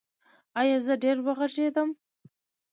ایا زه ډیر وغږیدم؟